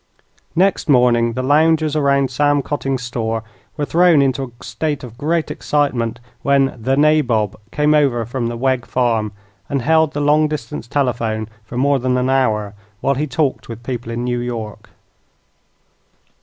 Next morning the loungers around Sam Cotting's store were thrown into a state of great excitement when "the nabob" came over from the Wegg farm and held the long distance telephone for more than an hour, while he talked with people in New York.